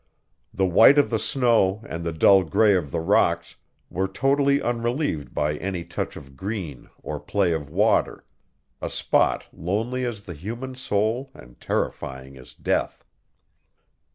The white of the snow and the dull gray of the rocks were totally unrelieved by any touch of green or play of water; a spot lonely as the human soul and terrifying as death.